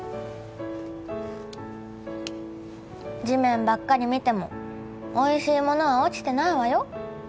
地面ばっかり見てもおいしいものは落ちてないわよ